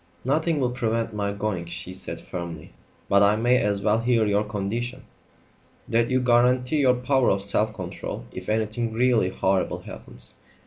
"Nothing will prevent my going," she said firmly; "but I may as well hear your condition." "That you guarantee your power of self control if anything really horrible happens.